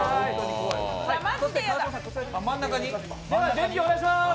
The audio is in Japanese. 準備お願いします。